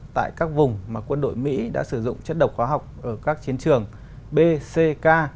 tại các vùng mà quân đội mỹ đã sử dụng chất độc hóa học ở các chiến trường b c k